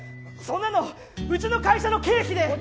そんなのうちの会社の経費で。